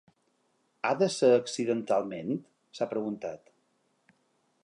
Ha de ser accidentalment?, s’ha preguntat.